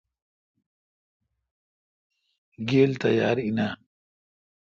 گیل تیاراین آ؟